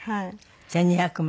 １２００枚？